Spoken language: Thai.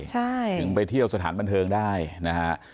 ถึงไปเที่ยวสถานบันเทิงได้นะฮะ